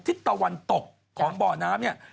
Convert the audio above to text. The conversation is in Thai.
ทิศตะวันตกของบ่อน้ำเนี่ย